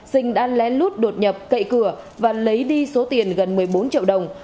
sinh đã lén lút đột nhập cậy cửa và lấy đi số tiền gần một mươi bốn triệu đồng